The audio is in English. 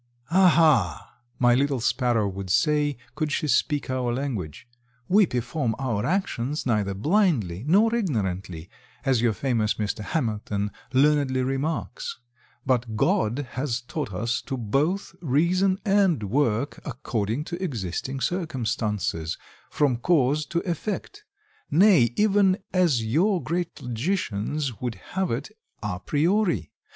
"Aha!" my little sparrow would say, could she speak our language, "we perform our actions neither blindly nor ignorantly, as your famous Mr. Hamilton learnedly remarks; but God has taught us to both reason and work according to existing circumstances, from cause to effect; nay, even as your great logicians would have it, a priori.